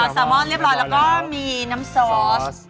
แซลมอนเรียบร้อยแล้วก็มีน้ำซอส